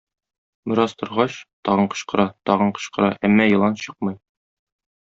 Бераз торгач, тагын кычкыра, тагын кычкыра, әмма елан чыкмый.